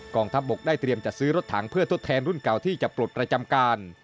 องทัพบกได้เตรียมจัดซื้อรถถังเพื่อทดแทนรุ่นเก่าที่จะปลดประจำการ